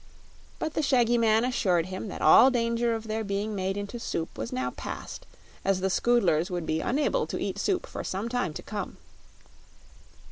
But the shaggy man assured him that all danger of their being made into soup was now past, as the Scoodlers would be unable to eat soup for some time to come.